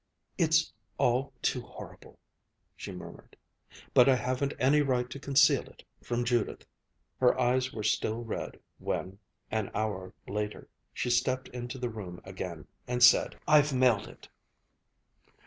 "It's all too horrible," she murmured. "But I haven't any right to conceal it from Judith." Her eyes were still red when, an hour later, she stepped into the room again and said, "I've mailed it."